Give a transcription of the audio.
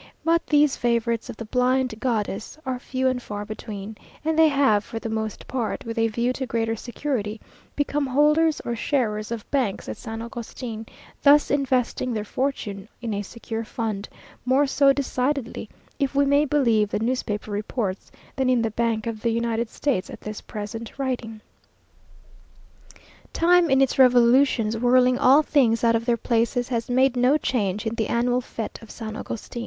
But these favourites of the blind goddess are few and far between; and they have for the most part, with a view to greater security, become holders or sharers of banks at San Agustin, thus investing their fortune in a secure fund; more so decidedly, if we may believe the newspaper reports, than in the bank of the United States at this present writing. Time, in its revolutions whirling all things out of their places, has made no change in the annual fête of San Agustin.